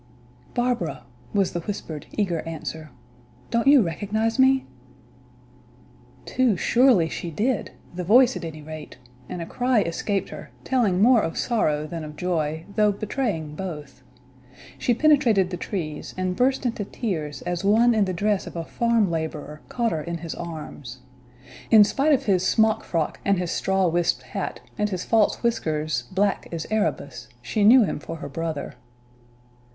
"Barbara," was the whispered, eager answer, "don't you recognize me?" Too surely she did the voice at any rate and a cry escaped her, telling more of sorrow than of joy, though betraying both. She penetrated the trees, and burst into tears as one in the dress of a farm laborer caught her in his arms. In spite of his smock frock and his straw wisped hat, and his false whiskers, black as Erebus, she knew him for her brother.